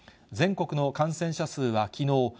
全国の感染者数はきのう